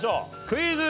クイズ。